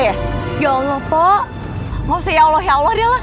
ya allah ya allah ya allah ya allah